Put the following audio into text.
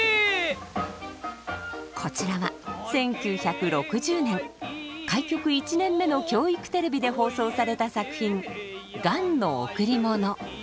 こちらは１９６０年開局１年目の教育テレビで放送された作品「雁のおくりもの」。